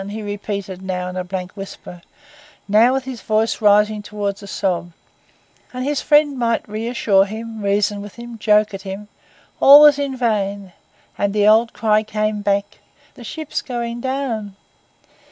he repeated, now in a blank whisper, now with his voice rising towards a sob; and his friend might reassure him, reason with him, joke at him—all was in vain, and the old cry came back, 'The ship's going down!